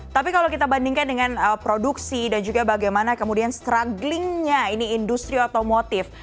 tapi kalau kita bandingkan dengan produksi dan juga bagaimana kemudian strugglingnya ini industri otomotif